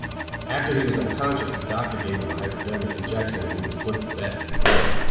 After he was unconscious a doctor gave him a hyperdermic injection and he was put to bed.